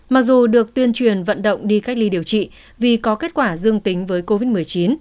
mặc dù được tuyên truyền vận động đi cách ly điều trị vì có kết quả dương tính với covid một mươi chín